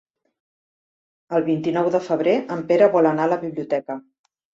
El vint-i-nou de febrer en Pere vol anar a la biblioteca.